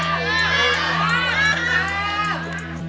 อ่าอ่าอ่าอ่าอ่าอ่า